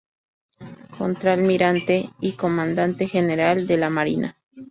Contralmirante y Comandante General de la Marina.